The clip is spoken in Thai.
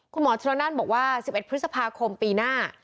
คุณหมอชนนั่นบอกว่า๑๑พฤษภาคมปีหน้า